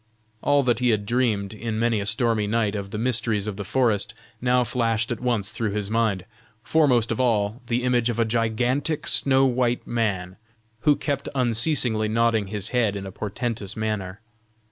All that he had dreamed, in many a stormy night, of the mysteries of the forest, now flashed at once through his mind; foremost of all, the image of a gigantic snow white man, who kept unceasingly nodding his head in a portentous manner.